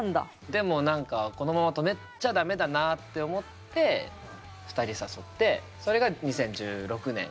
でも何かこのまま止めちゃ駄目だなって思って２人誘ってそれが２０１６年。